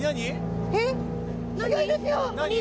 何？